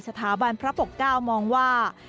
สถาบันพระปกเก้ามองว่า